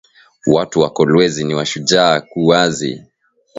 Watu wa kolwezi niwa shujaa ku kazi